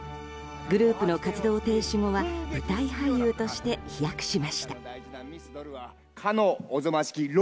グループの活動停止後は舞台俳優として飛躍しました。